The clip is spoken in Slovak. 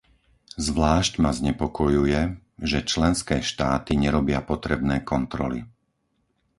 Zvlášť ma znepokojuje, že členské štáty nerobia potrebné kontroly.